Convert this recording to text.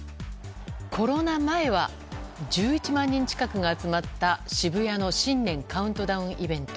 コロナ前は１１万人近くが集まった渋谷の新年カウントダウンイベント。